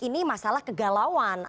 ini masalah kegalauan